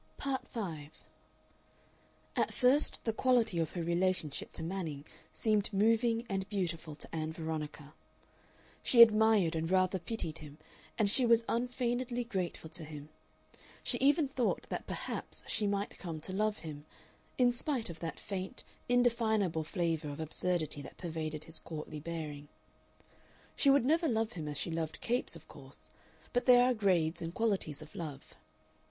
Part 5 At first the quality of her relationship to Manning seemed moving and beautiful to Ann Veronica. She admired and rather pitied him, and she was unfeignedly grateful to him. She even thought that perhaps she might come to love him, in spite of that faint indefinable flavor of absurdity that pervaded his courtly bearing. She would never love him as she loved Capes, of course, but there are grades and qualities of love.